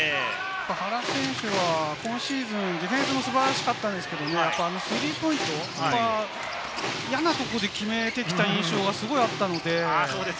原選手は今シーズン、ディフェンスも素晴らしかったんですけど、スリーポイントを嫌なとこで決めてきた印象がすごいあったので。